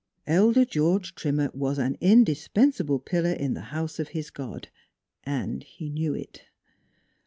Elder George Trim mer was an indispensable pillar in the house of his God; and he knew it.